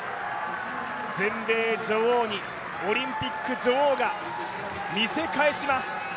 全米女王にオリンピック女王が見せ返します。